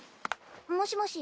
もしもし？